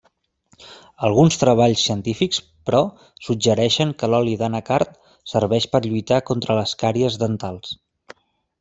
Alguns treballs científics però suggereixen que l'oli d'anacard serveix per lluitar contra la càries dental.